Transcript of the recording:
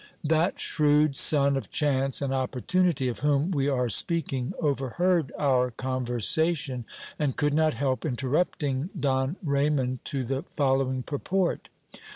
That shrewd son of chance and opportunity, of whom we are speaking, over heard our conversation, and could not help interrupting Don Raymond to the following purport.